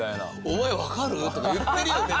「お前わかる？」とか言ってるよね